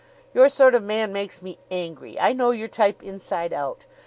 "Your sort of man makes me angry. I know your type inside out.